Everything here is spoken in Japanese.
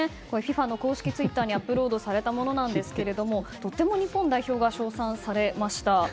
ＦＩＦＡの公式ツイッターにアップロードされたものですがとても日本代表が称賛されました。